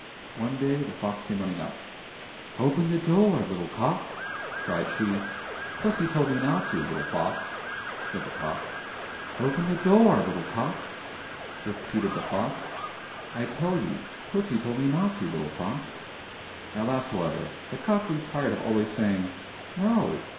One day the fox came running up :'' Open the door, little cock !" cried she. —" Pussy told me not to, little fox !" said the cock. —'' Open the door, little cock !" repeated the fox. —" I tell you, pussy told me not to, little fox !"— At last, however, the cock grew tired of always saying '' No